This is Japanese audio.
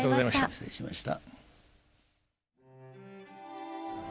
失礼しました。